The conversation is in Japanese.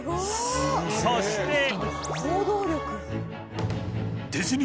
そして